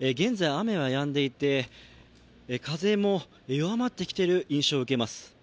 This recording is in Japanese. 現在雨はやんでいて、風も弱まってきている印象を受けます。